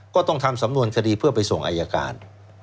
ก็ต้องทำสำนวนคดีเพื่อไปส่งอายการ